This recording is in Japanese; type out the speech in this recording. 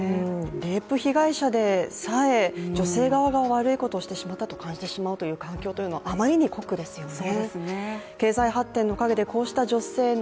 レイプ被害者でさえ女性側が悪いことをしてしまったと感じてしまう環境というのはあまりに酷ですよね。